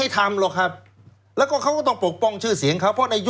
ถือโอกาสเลยครับ